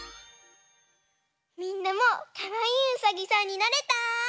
みんなもかわいいうさぎさんになれた？